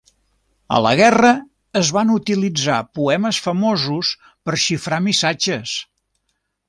A la guerra, es van utilitzar poemes famosos per xifrar missatges.